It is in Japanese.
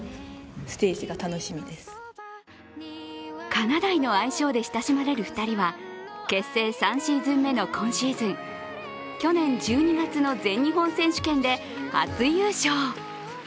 かなだいの愛称で親しまれる２人は結成３シーズン目の今シーズン去年１２月の全日本選手権で初優勝。